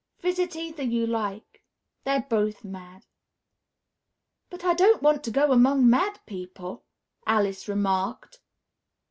Visit either you like; they're both mad." "But I don't want to go among mad people," Alice remarked.